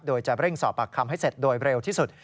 โดยจะเร่งสอบปากคำให้เสร็จโดยเร็วที่สุด